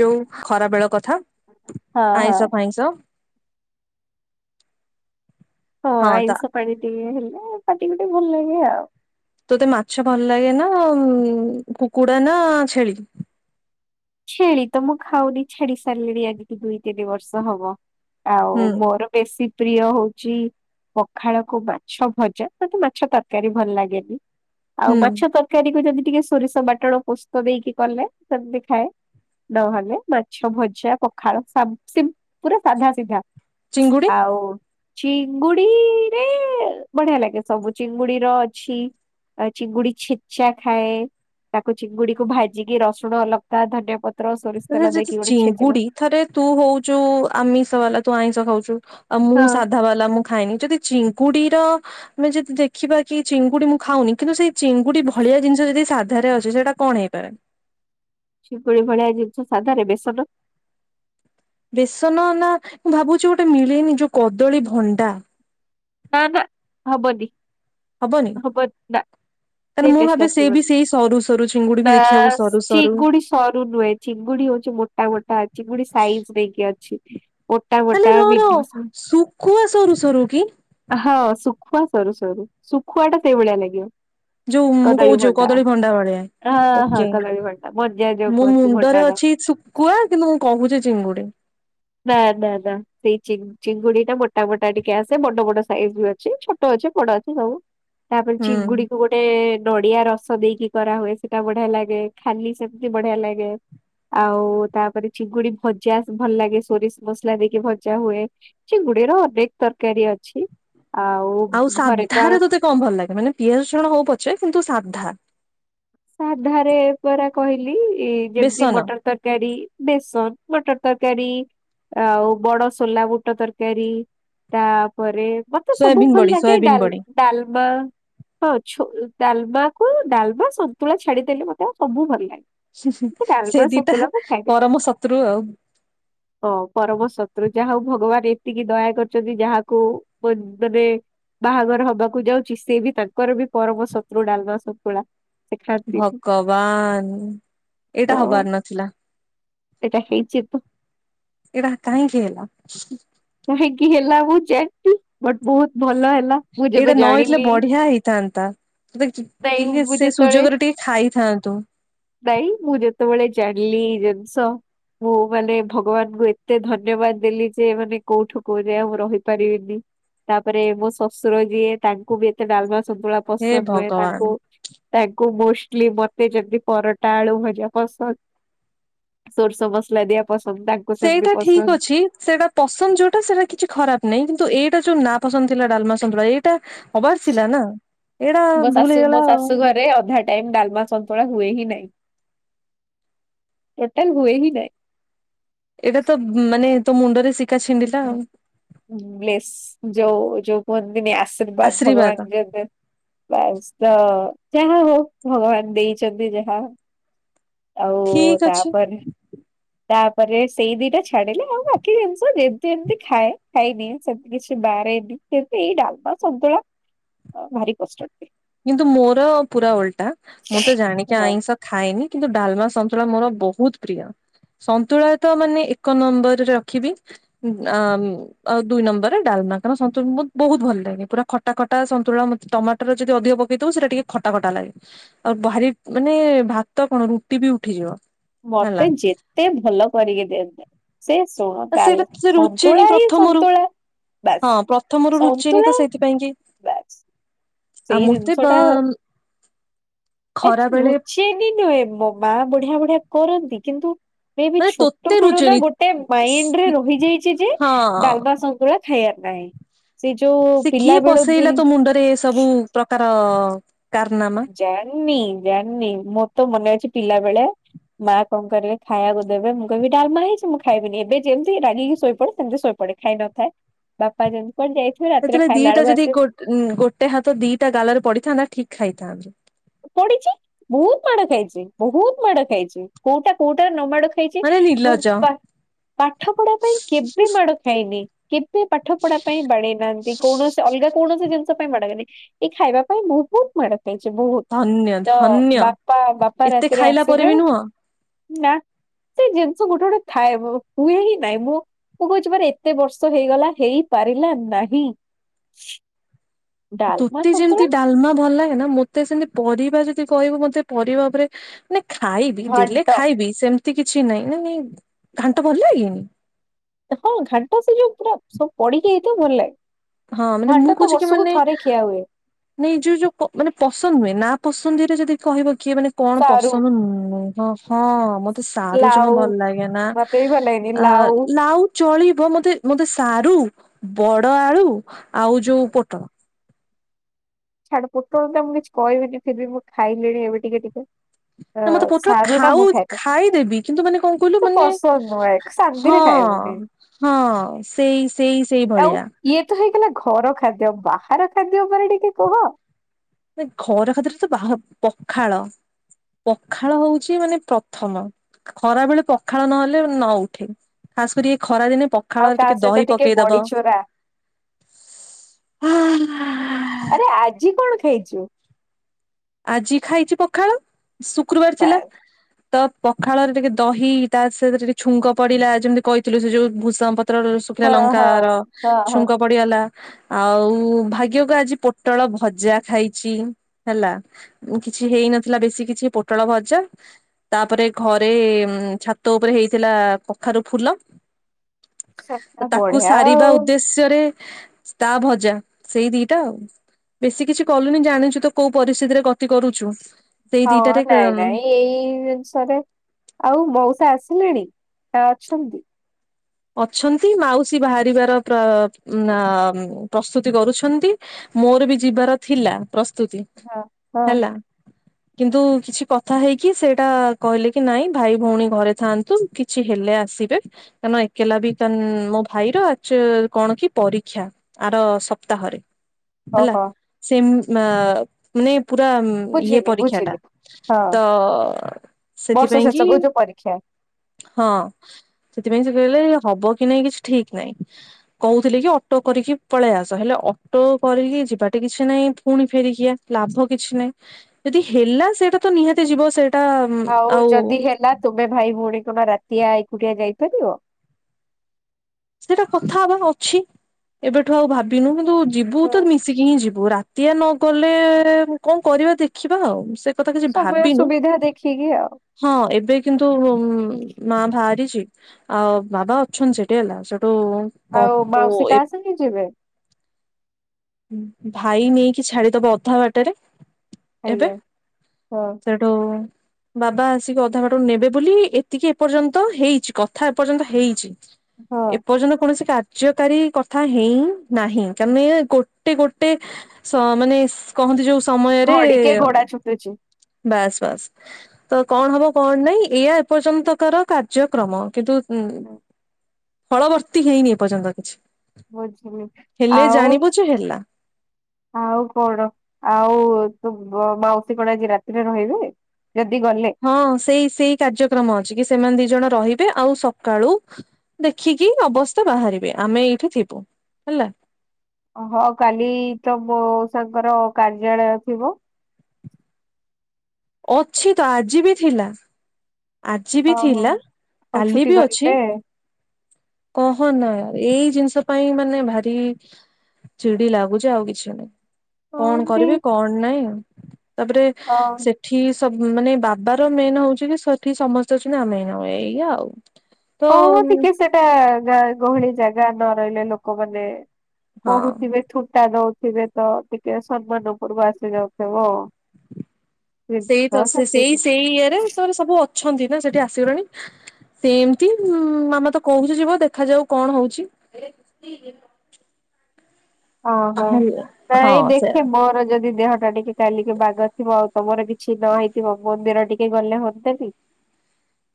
ଯୋଉ ଖରାବେଳ କଥା ହଁ ହଁ ଆଇଁଷ ଫାଇଁଷ। ହଁ ଆଇଁଷ ପାଣି ଟିକେ ହେଲେ ପାଟିକୁ ଟିକେ ଭଲ ଲାଗେ ଆଉ। ତତେ ମାଛ ଭଲ ଲାଗେ ନା କୁକୁଡା ନା ଛେଳି। ଛେଳି ତ ମୁଁ ଖାଉନି ଛାଡି ସାରିଲିଣି ଆଜିିକି ଦୁଇ ତିନି ବର୍ଷ ହବ ଆଉ ହୁଁ ମୋର। ବେଶୀ ପ୍ରିୟ ହଉଛି। ପଖାଳକୁ ମାଛ ଭଜା ମତେ ମାଛ ତରକାରୀ ଭଲ ଲାଗେନି। ଆଉ ହୁଁ ମାଛ ତରକାରୀକୁ ଯଦି ଟିକେ ସୋରିଷ ବାଟଣ ପୋସ୍ତ ଦେଇକି କଲେ ସେମିତି ଖାଏ। ନହେଲେ ମାଛ ଭଜା ପଖାଳ ସା ସିମ୍ପ ପୁରା ସାଧା ସିଧା। ଚିଙ୍ଗୁଡି ଆଉ। ଚିଙ୍ଗୁଡିରେ ବଢିଆ ଲାଗେ ସବୁ ଚିଙ୍ଗୁଡିର ଅଛି। ଚିଙ୍ଗୁଡି ଛେଚା ଖାଏ ତାକୁ ଚିଙ୍ଗୁଡିକୁ ଭାଜିକି ରସୁଣ ଲଙ୍କା ଧନି ଧନିଆ ପତ୍ର ସୋରିଷ ତଲ ଯଦି ଦେଇକି ଗୋଟେ ଚିଙ୍ଗୁଡି ଛେଚିଲ। ଥରେ ତୁ ହଉଛୁ ଆମିଷ ବାଲା ତୁ ଆଇଁଷ ଖାଉଛୁ ଆଉ ହଁ ମୁଁ ସାଧା ବାଲା ମୁଁ। ଖାଏନି ଯଦି ଚିଙ୍ଗୁଡିର ଆମେ ଯଦି ଦେଖିବା କି ଚିଙ୍ଗୁଡି ମୁଁ ଖାଉନି କିନ୍ତୁ ସେଇ। ଚିଙ୍ଗୁଡି ଭଳିଆ ଜିନିଷ ଯଦି ସାଧାରେ ଅଛି ସେଇଟା କଣ ହେଇପାରେ। ଚିଙ୍ଗୁଡ଼ି ଭଳିଆ ଜିନିଷ ସାଧାରେ ବେସନ। ବେସନ ନା ମୁଁ ଭାବୁଛି ଗୋଟେ ମିଳେନି ଯୋଉ କଦଳୀ ଭଣ୍ଡା। ନା ନା ହବନି ହବନି ନା। ତାହେଲେ ସେ ମୁଁ ଭାବେ ଟେଷ୍ଟ ସେ ବି ଆସିବିନି ସେଇ ସରୁ ସରୁ ଚିଙ୍ଗୁଡି ବି ଦେଖିବାକୁ ବାସ୍ ସରୁ ସରୁ ଚିଙ୍ଗୁଡି। ସରୁ ନୁହେଁ ଚିଙ୍ଗୁଡି ହଉଛି ମୋଟା ମୋଟା ଚିଙ୍ଗୁଡି ସାଇଜ ନେଇକି ଅଛି। ମୋଟା ମୋଟା ମିଡିଲ ସ ସୁଖୁଆ ସରୁ ସରୁ କି। ହଁ ଶୁଖୁଆ ସରୁ ସରୁ ଶୁଖୁଆ ଟା ସେଇଭଳିଆ ଲାଗିବ। ଯୋଉ ମୁଁ କହୁଛିୁ ଯୋଉ କଦଳୀ ଭଣ୍ଡା ଭଳିଆ ହଁ ହଁ ଓକେ କଦଳୀ ଭଣ୍ଡା ମଞ୍ଜା ଯୋଉ ମୋ କୁହନ୍ତି ଭଣ୍ଡା ମୁଣ୍ଡରେ ନା ଅଛି ଶୁଖ ଖୁଆ କିନ୍ତୁ ମୁଁ କହୁଛି ଚିଙ୍ଗୁଡି। ନା ନା ନା ସେଇ ଚିଙ୍ଗ। ଚିଙ୍ଗୁଡି ଟା ମୋଟା ମୋଟା ଟିକେ ଆସେ ବଡ ବଡ ସାଇଜ ବି ଅଛି ଛୋଟ ଅଛ ବଡ ଅଛି ସବୁ। ତାପରେ ହୁଁ। ଚିଙ୍ଗୁଡିକୁ ଗୋଟେ। ଟେ ନଡ଼ିଆ ରସ ଦେଇକି କରାହୁଏ ସେଟା ବଢ଼ିଆ ଲାଗେ, ଖାଲି ସେମିତି ବଢ଼ିଆ ଲାଗେ। ଆଉ ତାପରେ ଚିଙ୍ଗୁଡି ଭଜା ଭଲ ଲାଗେ। ସୋରିଷ ମସଲା ଦେଇକି ଭଜା ହୁଏ, ଚିଙ୍ଗୁଡିର ଅନେକ ତରକାରୀ ଅଛି। ଆଉ ଘରେ ତ କମ୍ ଭଲ ଲାଗେ ମାନେ ପିଆଜ ରସୁଣ ହଉ ପଛେ କିନ୍ତୁ ସାଧା। ସାଧାରେ ପରା କହିଲି ଯେମିତି ବେସନ ମୋଟର ତର୍ କାରୀ, ବେସନ, ମଟର ତରକାରୀ। ଆଉ ବଡ ସୋଲା ବୁଟ ତରକାରୀ, ତାପରେ ମତେ ସବୁ ସୋୟାବିନ୍ ଭଲ ବଡି ଲାଗେ ସୋୟାବିନ୍ ଡାଲ୍ ବଡି ଡାଲମା ହଁଛୁ ଡାଲମାକୁ ଡାଲମା ସ ନ୍ତୁଳା ଛାଡିଦେଲେ ମୋତେ ଆଉ ସବୁ ଭଲ ଲାଗେ। ମତେ ସେ ଡାଲମା ଦିଇଟା ସନ୍ତୁଳା ମୁଁ ଖାଇବି। ପରମ ଶତ୍ରୁ ଆଉ। ହଁ ପରମ ଶତ୍ରୁ ଯାହା ହଉ ଭଗବାନ ଏତିକି ଦୟା କରିଛନ୍ତି ଯାହାକୁ [unintelligible] ବାହାଘର ହବାକୁ ଯାଉଛି ସେ ବି ତାଙ୍କର ବି ପରମ ଶତ୍ରୁ ଡାଲମା ଶନ୍ତୁଳା। ଭଗବାନ ଏଇଟା ତ ହବାର ନଥିଲା। ଏଇଟା ହେଇଛି ତ। ଏଇଟା କାହିଁକି ହେଲା? କାହିଁକି ହେଲା ମୁଁ ଜାଣିନି। ବଟ୍ ବହୁତ ଭଲ ହେଲା ମୁଁ ଯେବେ ଜାଣିଲି [unintelligible] ନାଇଁ ଥିଲେ ମୁଁ ସେ ଯେତେବେଳେ ସୁଯୋଗରେ ଟିକେ ଖାଇଥାଆନ୍ତୁ। ନାଇଁ ମୁଁ ଯେତେବେଳେ ଜାଣିଲି ଜିନ୍ଷ ମୁଁ ମାନେ ଭଗବାନଙ୍କୁ ଏତେ ଧନ୍ୟବାଦ ଦେଲି ଯେ ମାନେ କୋଉଠୁ କୋଉଁଯାଏ ଆଉ ମୁ ରହିପାରିବିନି। ତାପରେ ମୋ ଶଶୁର ଯିଏ ତାଙ୍କୁ ବି ଏତେ ଡାଲମା ଶନ୍ତୁଳା ହେ ପସନ୍ଦ ନୁହେଁ, ଭଗବାନ। ତାଙ୍କୁ ତାଙ୍କୁ ମୋଷ୍ଟଲି ମତେ ଯେମିତି ପରଟା ଆଳୁ ଭଜା ପସନ୍ଦ ସୋରିଶ ମସଲା ଦିଆ ପସନ୍ଦ ତାଙ୍କ୍ ସେଇଟା ଠିକ୍ ଅଛି ସେଇଟା ପସନ୍ଦ ଯୋଉଟା ସେଇଟା କିଛି ଖରାପ ନାହିଁ କିନ୍ତୁ ଏଇଟା ଯୋଉ ନା ପସନ୍ଦ ଥିଲା ଡାଲମା ସନ୍ତୁଳା ଏ ଟା ହବାର ଥିଲା ନାଁ, ଏଇଟା ଭୁଲ୍ ହେଇଗଲା ଆଉ। ରେ ଅଧା ଟାଇମ୍ ଡାଲମା ସନ୍ତୁଳା ହୁଏ ହିଁ ନାଇଁ, ଟୋଟାଲ୍ ହୁଏ ହି ନାଇଁ। ଏଇଟା ତ ମାନେ ତୋ ମୁଣ୍ଡରେ ଶିକା ଛିଣ୍ଡି ଗ୍ଲେସ୍ ଯୋଉ ଯୋଉ କୁହନ୍ତିନି ଆସ୍ ଆର୍ଶୀବାଦ ଆଶୀର୍ବାଦ ଭଗବାନ ଯୋଉ ବାସ୍ ତ ଯାହା ହଉ ଭଗବାନ ଦେଇଛନ୍ତି ଯାହା। ଆଉ ଠିକ ଅଛି ତାପରେ [inaudible] ତାପରେ ସେଇ ଦିଇଟା ଛାଡିଲେ ଆଉ ବାକି ଜିନିଷ ଯେମିତି ଏମିତି ଖାଏ ଖାଇନି ସେମିତି କିଛି ବାରେନି। ସେମିତି ଏଇ ଡାଲମା ସନ୍ତୁଳା ଅ ଭାରି କଷ୍ଟ ଦିଏ। କିନ୍ତୁ ମୋର ପୁରା ଓଲ୍ଟା, ମୁଁ ତ ଜାଣିକି ହଁ ଆଇଁଷ ଖାଏନି କିନ୍ତୁ ଡାଲମା ସନ୍ତୁଳା ମୋର ବହୁତ ପ୍ରିୟ। ସନ୍ତୁଳାଏ ତ ମାନେ ଏକ ନମ୍ବରରେ ରଖିବି [unintelligible] ଆଉ ଦୁଇ ନମ୍ବର ଡାଲମାଟା [unintelligible] ବହୁତ ଭଲ ଲାଗେ ପୁରା ଖଟା ଖଟା ସନ୍ତୁଳା ମତେ ଟମାଟର ଯଦି ଅଧିକ ପକେଇଥିବୁ ସେଟା ଟିକେ ଖଟା ଖଟା ଲାଗେ। ଆଉ ଭାରି ମାନେ ଭାତ କ'ଣ ରୁଟି ବି ଉଠିଯିବ। ହେଲା। ମତେ ଯେତେ ଭଲ କରିକି ଦିଅନ୍ତୁ ତା। ସେ ଶୁଣ ଆ ତାଲି ସେଇଟା ସେ ରୁଚେନି ସନ୍ତୁଳା ହିଁ ପ୍ରଥମରୁ ସନ୍ତୁଳା। ହଁ ବାସ ପ୍ରଥମରୁ ରୁଚେନି ତ ସନ୍ତୁଳା ସେଇଥିପାଇଁ କି ବାସ। ଆଉ ସେଇ ମତେ ବ ଜିନିଷଟା। ଖରା ଏଚେ ବେଳେ ରୁଚେଇକି ନୁହେଁ ମୋ ମା ବଢିଆ, ବଢିଆ କରନ୍ତି କିନ୍ତୁ। ମେ ବି ମାନେ ଛୋଟ ତୋତେ ବେଳୁ ନା ରୁଚେନି ଗୋଟେ ମାଇଣ୍ଡି ରେ ରହିଯାଇଛି ଯେ ହଁ ଡାଲମା, ସନ୍ତୁଳା। ହେୟାର ନାଇଁ। ସେ କିଏ ପସେଇଲା ତୋ ମୁଣ୍ଡରେ ଏ ସବୁ ପ୍ରକାର କାରନାମା। ଜାଣିନି ଜାନି ମୋର ତ ମନେ ଅଛି ପିଲା ବେଳେ। ମା କ'ଣ କରିବେ ଖାଇବାକୁ ଦେବେ ମୁଁ କହିବି ଡାଲମା ହେଇଛି ମୁଁ ଖାଇବିନି ଏବେ ଯେମିତି ରାଗିକି ଶୋଇପଡେ ସେମିତି ଶୋଇ। ପଡେ ଖାଇ ନଥାଏ ବାପା ଯେମିତି କ'ଣ ଯାଇଥିବେ ରାତିରେ ଖାଇଲା ବେଳକୁ ଆସେ। ଉଁ ଗୋଟେ ହାତ ଦିଟା ଗାଲରେ ପଡିଥାନ୍ତା ଠିକ୍ ଖାଇଥାନ୍ତେ। ପଡିଛି ବହୁତୁ ମାଡ ଖାଇଛି ବହୁତୁ ମାଡ ଖାଇଛି କୋଉଟା, କୋଉଟାରେ ନ ମାଡ ଖାଇ। ମାନେ ଖାଇଛି କୋ ନିର୍ଲଜ ପା ପାଠ ପଢା ପାଇଁ କେବେ ମାଡ ଖାଇନି। କେବେ ପାଠ ପଢା ପାଇଁ ବାଡେଇ ନାହାନ୍ତି କୌଣସି ଅଲଗା କୌଣସି ଜିନିଷ। ପାଠ ପାଇଁ ମାଡ଼ ଖାଇନି ଏଇ ଖାଇବା ପାଇଁ ବହୁତୁ ମାଡ଼ ଖାଇଛି ବହୁତୁ। ଧନ୍ୟ ତ ଧନ୍ୟ ବାପା, ବାପା ଏତେ ରାତିରେ ଖାଇଲା ପରେ ଆସିବେ ବି ନୁହଁ ନା। ସେ ଜିନିଷ ଗୋଟେ, ଗୋଟେ ଥାଏ ହୁଏ ହି ନାଇଁ ମୁଁ। ମୁଁ କହୁଛି ମୋର ଏତେ ବର୍ଷ ହେଇଗଲା ହେଇପାରିଲା ନାହିଁ। ଡାଲମା ତୋତେ ଯେମିତି ସନ୍ତୁଳା ଡାଲମା ଭଲ ଲାଗେ ନା ମତେ ସେମିତି ପରିବା ଯଦି କହିବୁ ମତେ ପରିବା ଉପରେ। ନା ଖାଇବି ଦେଲେ ଘାଣ୍ଟ ଖାଇବି ସେମିତି କିଛି ନାଇଁ, ନାଇଁ ଘାଣ୍ଟ ଭଲ ଲାଗେନି। ସେ କ'ଣ ହଁ ଘାଣ୍ଟ ସେ ଯୋଉଁ ପୁରା ସବୁ ପଡିକି ହେଇଥିବ ଭଲ ହଁ ଲାଗେ। ମାନେ ଘାଣ୍ଟ ତ ବର୍ଷକୁ ଥରେ ଖିଆ ହୁଏ। ନାଇଁ ଯୋଉ, ଯୋଉ ମାନେ ପସନ୍ଦ ନୁହେ ନା ପସନ୍ଦରେ ଯଦି କହିବ କିଏ ମାନେ। କଣ ସାରୁ ପସନ୍ଦ ନୁ ହଁ ମତେ। ତୋ ସାରୁ ଜମା ଲାଉ ଭଲ ଲାଗେ ନା ମତେ ବି ଭଲ ଲାଗେନି ଲାଉ ଲାଉ। ଚଳିବ ମତେ, ମତେ ସାରୁ ବଡ ଆଳୁ ଆଉ ଯୋଉ ପୋଟଳ। ଛାଡ ପୋଟଳ ଟାମୁଁ କିଛି କହିବିନି ଫିରିବି ମୁଁ ଖାଇଲିଣି ଏବେ ଟିକେ, ଟିକେ। ଅ ନା ମତେ ପୋଟଳ ସାରୁ ଟା ଖାଉ ମୁଁ ଖାଏନି ଖାଇଦେବି କିନ୍ତୁ ମାନେ କ'ଣ କହିଲୁ ତ ମାନେ ପସନ୍ଦ ନୁହେଁ ହଁ। ଶାନ୍ତିରେ ଖାଇବୁନି। ହଁ ସେଇ, ସେଇ, ସେଇ ଆଉ ଭଳିଆ। ଇଏ ତ ହେଇଗଲା ଘର ଖାଦ୍ୟ ବାହାର ଖାଦ୍ୟ ଉପରେ ଟିକେ କୁହ। ମାନେ ଘର ଖାଦ୍ୟରେ ତ ବାହାର ପଖାଳ। ପଖାଳ ହଉଛି ମାନେ ପ୍ରଥମ। ଖରା ବେଳେ ପଖାଳ ନହେଲେ ନ ଉଠେ ଖାସ କରି ଏ ଖରା ଦିନେ ପଖାଳ। ଆଉ ପଖାଳରେ ତା ଟିକେ ସହିତ ଦହି ପକେଇ ବଡି ଦବ ଚୋରା ଆ। ଆରେ ଆଜି କ'ଣ ଖାଇଛୁ। ଆଜି ଖାଇଛି ପଖାଳ ଶୁକ୍ରବାର ଥିଲା। ବାସ୍। ତ ପଖାଳରେ ଟିକେ ଦହି ତା ସହିତ ଟିକେ ଛୁଙ୍କ ପଡିଲା ଯେମିତି କହିଥିଲୁ ସେ ଯୋଉ ଭୂଷଙ୍ଗପତ୍ର। ଶୁଖିଲା ହଁ ଲଙ୍କାର ହଁ ହଁ ହଁ। ଛୁଙ୍କ। ପଡିଗଲା ଆଉ ଭାଗ୍ୟକୁ ଆଜି ପୋଟଳ ଭଜା ଖାଇଛି ହେଲା। କିଛି ହେଇନଥିଲା ବେଶୀ କିଛି ପୋଟଳ ଭଜା। ତାପରେ ଘରେ ଛାତ ଉପରେ ହେଇଥିଲା କଖାରୁ ଫୁଲ। ତ ଆ ତାକୁ ବଢିଆ ସାରିବା ଆଉ ଉଦ୍ଦେଶ୍ୟ। ନିଜରେ ତା ଭଜା ସେଇ ଦିଟା ଆଉ। ବେଶୀ କିଛି କଲୁନି ଜାଣିଚୁ ତ କୋଉ ପରିସ୍ଥିତିରେ ଗତି କରୁଛୁ। ସେଇ ହଁ ଦିଟାରେ ନାଇଁ ନାଇଁ ଏଇ ଜିନିଷରେ ଆଉ ମଉସା ଆସିଲେଣି ନା ଅଛନ୍ତି? ଅଛନ୍ତି ମାଉସୀ ବାହାରିବାର ପ୍ର ନା ପ୍ରସ୍ତୁତି କରୁଛନ୍ତି। ମୋର ବି ଯିବାର ଥିଲା ପ୍ରସ୍ତୁତି ହଁ ହଁ ହେଲା। କିନ୍ତୁ କିଛି କଥା ହେଇକି ସେଇଟା କହିଲେ କି ନାଇଁ ଭାଇ ଭଉଣୀ ଘରେ ଥାଆନ୍ତୁ କିଛି ହେଲେ ଆସିବେ। ସାନ ଭାଇ। କେଲା ବି ତାନ୍ ମୋ ଭାଇର ଆଚୁ କଣ କି ପରୀକ୍ଷା ଆର ସପ୍ତାହରେ। ହେଲା ଓହୋ ସିମ୍ ମା ମାନେ ପୁରା ମ୍ ଇଏ ବୁଝିଲି ପରୀକ୍ଷା ଟା ବୁଝିଲି। ହଁ ତ ବର୍ଷ ସେଥିପାଇଁ କି ଶେଷକୁ ଯୋଉ ପରୀକ୍ଷା ହଁ ସେଥିପାଇଁ ସେ କହିଲେ ହବ କି ନାଇଁ କିଛି ଠିକ ନାହିଁ। କହୁଥିଲେ କି ଅଟୋ କରିକି ପଳେଇ ଆସ ହେଲେ ଅଟୋ କରିକି ଯିବାଟେ କିଛି ନାଇଁ ପୁଣି ଫେରିକିଆ। ଲାଭ କିଛି ନାହିଁ ଯଦି ହେଲା ସେଇଟା ତ ନିହାତି ଯିବ ସେ ଆଉ ଯଦି ହେଲା ତୁମେ ଭାଇ ଭଉଣୀ କଣ ରାତିଆ ଏକୁଟିଆ ଯାଇପାରିବ? ସେଇଟା କଥା ହବା ଅଛି ଏବେଠୁ ଆଉ ଭାବିନୁ କିନ୍ତୁ ଯିବୁ ହଁ। ତ ନିଶ୍ଚ ଆସିକି ହିଁ ଯିବୁ ରାତିଆ ନଗଲେ କଣ କରିବା ଦେଖିବା ଆଉ ସେ ସେ କଥା କିଛି ସମୟ ଭାବିନୁ। ସୁବିଧା ଦେଖିକି ଆଉ ହଁ ଏବେ କିନ୍ତୁ ମ୍ ମା ବାହାରିଚି ଆଉ ବାବା ଅଛନ୍ତି ସେଠି ହେଲା। ସେଠୁ କ ଆଉ ମାଉସୀ କା ସାଙ୍ଗ ଯିବେ? ଭାଇ ନେଇକି ଛାଡିଦବ ଅଧା ବାଟରେ ଏବେ ଆଜ୍ଞା ହଁ ସେ ଟୋ ବାବା ଆସିକି ଅଧା ବାଟରୁ ନେବେ ବୋଲି ଏତିକି ଏପର୍ଯ୍ୟନ୍ତ ହେଇଚି କଥା ଏପର୍ଯ୍ୟନ୍ତ ହେଇଚି। ହଁ ଏପର୍ଯ୍ୟନ୍ତ କୌଣସି କାର୍ଯ୍ୟକାରୀ କଥା ହେଇନାହିଁ କାରଣ ୟେ ଗୋଟେ ଗୋଟେ ଗୋଟେ ସ ମାନେ ସ୍ କହନ୍ତି ଯୋଉ ସମୟରେ ଘଡିକେ ଅଁ ଘୋଡା ଛୁଟୁଛି ବାସ ବାସ ତ କଣ ହବ କଣ ନାଇଁ ଏଇଆ ଏପର୍ଯ୍ୟନ୍ତକର କାର୍ଯ୍ୟକ୍ରମ କିନ୍ତୁ ହୁଁ ଫଳବର୍ତ୍ତୀ ହେଇନି ଏପର୍ଯ୍ୟନ୍ତ କିଛି। ବୁଝିଲି ହେଲେ ଆଉ ଜାଣିବୁ ଜେ ହେଲା। ଆଉ କଣ ଆଉ ତୁ ମାଉସୀ କଣ ଆଜି ରାତିରେ ରହିବେ? ଯଦି ଗଲେ ହଁ ସେଇ ସେଇ କାର୍ଯ୍ୟକ୍ରମ ଅଛି କି ସେମାନେ ଦି ଜଣ ରହିବେ ଆଉ ସକାଳୁ ଦେଖିକି ଅବସ୍ଥା ବାହାରିବେ ଆମେ ଏଇଠି ଥିବୁ ହେଲା। ହଁ କାଲି ତ ମୋଉସାଙ୍କର କାର୍ଯ୍ୟାଳୟ ଥିବ? ଅଛି ତ ଆଜି ବି ଥିଲା। ଆଜି ବି ଓହୋ ଥିଲା ଆଉ କାଲି ଛୁଟି ବି କରିଲେ ଅଛି। କହନା ଏଇ ଜିନିଷ ପାଇଁ ମାନେ ଭାରି ଚିଡି ଲାଗୁଚି ଆଉ କିଛି ନାହିଁ। ହଁ କଣ ଦି କରିବି କଣ ନାଇଁ ତାପରେ ହଁ ସେ ଠି ସବ ମାନେ ବାବାର ମେନ୍ ହଉଚି କି ସେଠି ସମସ୍ତେ ଅଛନ୍ତି ଆମେ ନାଉ ଏଇଆ ଆଉ। ତ ହଁ ଟିକେ ସେଟା ଗାଁ ଗହଳି ଜାଗା ନ ରହିଲେ ଲୋକମାନେ ହଁ କହୁଥିବେ ଥୁଣ୍ଟା ଦଉଥିବେ ତ ଟିକେ ସମ୍ମାନଉପୁରୁକୁ ଆସି ଯାଉଥିବ। ସେଇ ତ ଜିନିଷ ସେ ସେଇ ସେତିକି ସେଇ ଇଏରେ ତମ ସବୁ ଅଛନ୍ତି ନା ସେଠି ଆସିଗଲେଣି ସେମିତି ମାମା ତ କହୁଚି ଯିବ ଦେଖା ଯାଉ କଣ ହଉଚି। ଓହୋ ହଁ ନାଇଁ ସେ ଦେଖେ ମୋର ଯଦି ଦେହ ଟା ଟିକେ କାଲିକି ବାଘ ଥିବ ଆଉ ତମର କିଛି ନ ହେଇଥିବ ମନ୍ଦିର ଟିକେ ଗଲେ ହୁଅନ୍ତା କି?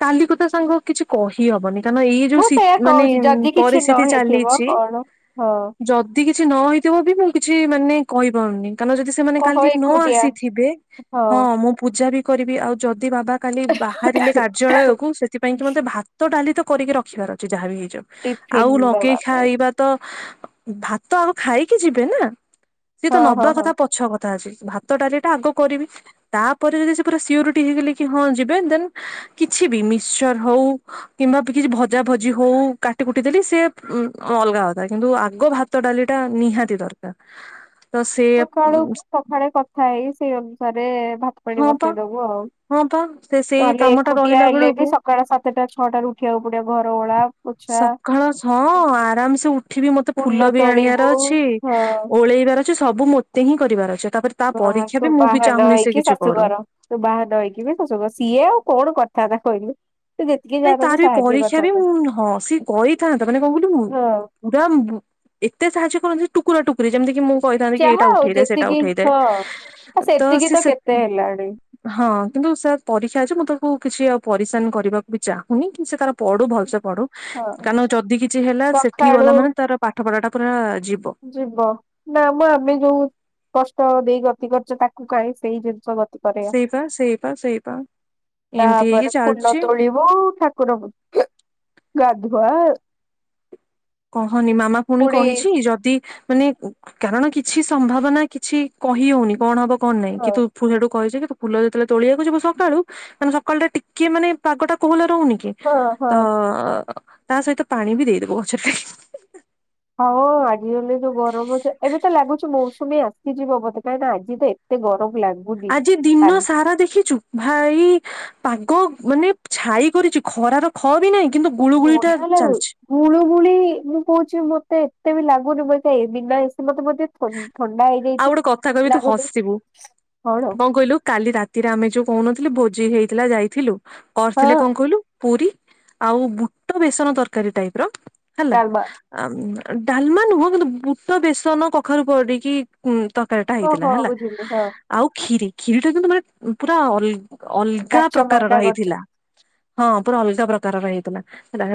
ତାଲି କଥା ସାଙ୍ଗ କିଛି କହିହବନି କାରଣ ଏଇ ମୁଁ ଯୋଉ ସିତ୍ ସେଇୟା ମାନେ କହୁଛି ଯଦି କିଛି ନ ପରିସ୍ଥିତି ହେଇଥିବ ଚାଲିଛି, କଣ ହଁ, ଯ କିଛି ନ ହେଇଥିବ ବି ମୁଁ କିଛି ମାନେ କହିପାରୁନି କାରଣ ଯଦି ସେ ସେମାନେ ଓହୋ କାଲି ନ ଏକୁଟିଆ ଆସିଥିବେ ହଁ ମୁଁ ପୂଜା ବି କରିବି ଆଉ ଯଦି ବାବା, କାଲି ବାହାରିଲେ କାର୍ଯ୍ୟାଳୟକୁ ସେଥିପାଇଁ କିି ମୋତେ ଭାତ ଡାଲି ତ କରିକି ରଖିବାର ଅଛି ଯାହା ବିି ହେଇଯାଉ, ଆଉ ଟିଫିନ ଦବା ଲଗେଇ ପାଇଁ ଖାଇବା, ତ ଭାତ ଆଉ ଖାଇକି ଯିବେ ନା ସିଏ ତ ହଁ ନବା ହଁ ହଁ। କଥା ପଛ କ ଥା ଅଛି ଭାତ ଡାଲିଟା ଆଗ କରିବି, ତାପରେ ଯଦି ସେ ପୁରା ସିଓରିଟି ହେଇଗଲେ କି ହଁ ଯିବେ ଦେନ୍ କିଛି ବି ମିସଚର୍ ହଉ, କିମ୍ବା କିଛି ଭଜା ଭଜି ହଉ କାଟି କଟି ଦେଲି ସେ ଉଁ ଅଲଗା କଥା କିନ୍ତୁ ଆଗ ଭାତ୍ ତ ଡାଲି ଟା ନିହାତି ଦରକାର, ତ ସେ ସକାଳୁ ସକାଳେ କଥା ହେଇ ସେଇ ଅନୁସାରେ ଭାତ ପାଣି ହଁ ପା ବସେଇ ଦବୁ ଆଉ, [unintelligible] ତାହେଲେ ଟା ଏକୁଟିଆ ରହିଲା ହେଲେ ବି ବେଳକୁ ସକାଳ ସାତଟା ଛଅଟାରୁ ଉଠିବାକୁ ପଡ଼ିବ ଘର ଭଳା, ସକାଳ ଛଅ ଆରାମସେ ଉଠିବି ମତେ ଫୁଲ ବି ଆଣିବାର ଅଛି ହଁ ଓଳେଇବାର, ସବୁ ମତେ ହିଁ କରିବାର ଅଛ ତାପରେ ତା ପରୀକ୍ଷା ବି ମୁଁ ବି ଚାହୁଁନି ସେ କିଛି, ସେ କରୁ ଘର ତୁ ବାହାରଇକି ବି ଶଶୁଘ ସିଏ ଆଉ କଣ କଥା ତା କହିଲୁ, ତୁ ଯେତିକି ନାଇଁ ଯାହା ତାର ତାକୁ ବି ସାହାଯ୍ୟ ପରୀକ୍ଷା ବି କରିଥାନ୍ତୁ ଉଁ ହଁ ସିଏ କରିଥାନ୍ତତା ମାନେ ହଁ [unintelligible] [unintelligible] ଏତେ ସାହାଯ୍ୟ କରୁ, ଟୁକୁରା ଟୁକୁରୀ ଯେମିତି କିି ମୁଁ କହିଥାନ୍ତି କି ଏଇଟା ଯାହା ଆଉ ଉଠେଇ ଦେ ସେଟା ଯେତିକି ଉଠେଇଦେ ହଁ ଆ ତ ସେତିକି ସେ-ସେ କେତେ ହେଲାଣି ହଁ କିନ୍ତୁ ସାର୍ ପରୀକ୍ଷା ଅଛି ମୁଁ ତାକୁ କିଛି ଆଉ ପରିସାନ କରିବା ବି ଚାହୁଁନି କି ସେ ତାର ପଢୁ ଭଲସେ ପଢୁ ହଁ କାରଣ ଯଦି କିଛି ହେଲା ସେଠି ସକାଳୁ ଗଲା ମାନେ ତାର, ପାଠ ପଢ଼ା ଟା ପୁରା ଯିବ, ଯିବ ନା ମୁଁ ଆମେ ଯୋଉ କଷ୍ଟ ଦେଇ ଗତି କରୁଛେ ତାକୁ କାହିଁ ସେଇ ଜିନିଷ ଗତ୍ ସେଇ ପା ସେଇ ପା ସେଇ ପା ଏମିତି ହେଇକି ଚାଲୁଛି, ବୋ ଠାକୁର କୁ ଗାଧୁଆ, କହନି ମାମା ପୁଣି କହିଛି ଯଦି ମାନେ ଉଁ, କାରଣ କିଛି ସମ୍ଭାବନା କିଛି କହି ହଉନି କଣ ହବ କଣ ନାହିଁ ହଁ କିନ୍ତୁ, ତୁ ସେଠୁ କହିଛି କି ତୁ ଫୁଲ ଯେତେଳେ ତୋଳଆକୁ ଯିବ ସକାଳୁ, ମାନେ ସକାଳ ଟା ଟିକେ ମାନେ ପାଗ ଟା କୋହଲା ରହୁନି କି, ହଁ ହଁ ତ ତା ସହିତ ପାଣି ବି ଦେଇଦବ ଗଛ ଟେ, ହଉ ଆଜି ହେଲେ ଯୋଉ ଗରମ ଅଛି ଏବେ ତ ଲାଗୁଛି ମୌସୁମୀ ଆସିଯିବ ବୋତେ କାହିଁକି ନା ଆଜି ଦେ, ଏତେ ଗରମ୍ ଲାଗ୍ ଆଜି ଦିନ ସାରା ଦେଖିଛୁ, ଭାଇ ପାଗ ମାନେ ଛାଇ କରିଛି ଖରାର, ଖ ବି ନାଇଁ କିନ୍ତୁ ଗୁଳୁ ଗୁଳି ଟା ଚାଲଛି, ମୁୁଳୁମୁଳି ମୁଁ କହୁଛି ମତେ ଏତେ ବି ଲାଗୁନି ମତ ଏ ବିନା ଏ ମତେ ବୋଧେ, ଥ ଥଣ୍ଡା ଆଉ ହେଇଯାଇଛି ଗୋଟେ କଥା କହିବି ତୁ ଲାଗୁନି ହସିବୁ କଣ କଁ କହିଲୁ କାଲି ରାତ୍ ତିରା ଆମେ ଯୋଉ କହୁନଥିଲୁ ଭୋଜି ହେଇଥିଲା ଯାଇଥିଲୁ କରିଥିଲେ ହଁ କଁ କହିଲୁ, ପୁରୀ ଆଉ ବୁଟ ବେସନ ତରକାରୀ ଟାଇପ୍ ର ହେଲା, ଡାଲମା [unintelligible] ଡାଲମା ନୁହଁ କିନ୍ତୁ ବୁଟ ବେସନ କଖାରୁ କରଡିକି, ଉଁ ତରକାରୀ ଟା ହେଇଥିଲା ଓହୋ ହେଲା ବୁଝିଲି ହଁ ଆଉ ଖିରି-ଖିରି ଟା କିନ୍ତୁ ମାନେ ପୁରା ଅଲ୍, ଅଲଗା କାଚ ପ୍ରକାରର ମାର୍କା କରିଛନ୍ତି। ହେଇଥିଲା ହଁ ପୁରା ଅଲଗା ପ୍ରକାରର ହେଇଥିଲା ଥିଲା ହେ,